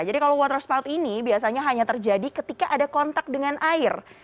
jadi kalau water spout ini biasanya hanya terjadi ketika ada kontak dengan air